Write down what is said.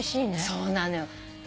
そうなのよ。